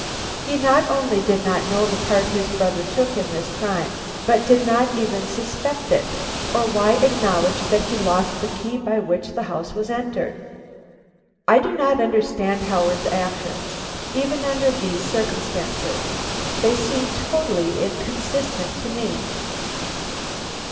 He not only did not know the part his brother took in this crime, but did not even suspect it, or why acknowledge that he lost the key by which the house was entered?" "I do not understand Howard's actions, even under these circumstances. They seem totally inconsistent to me."